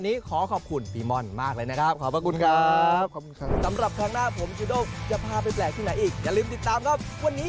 ติดต่อได้เลยนะครับวันนี้ขอขอบคุณพี่ม่อนมากเลยนะครับ